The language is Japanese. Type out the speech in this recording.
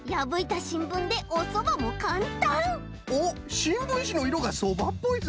おっしんぶんしのいろがそばっぽいぞ！